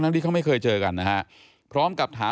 ทั้งที่เขาไม่เคยเจอกันนะฮะ